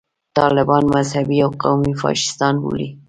طالبان مذهبي او قومي فاشیستان وبولي.